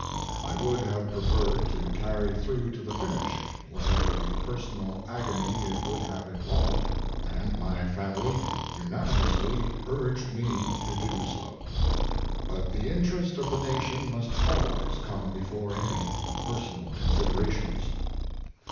I would have preferred to carry through to the finish whatever the personal agony it would have involved, and my family unanimously urged me to do so. But the interest of the Nation must always come before any personal considerations.